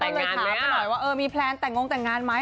ก็เลยถามกันหน่อยว่าเออมีแพลนแต่งงแต่งงานไหม